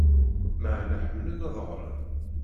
Maɛna ḥemmlen ad ɣren.